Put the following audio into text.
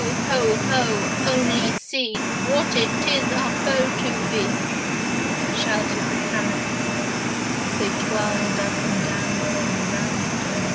ho! only see What it is our foe to be," shouted the carrots, as they twirled up and down and round and round.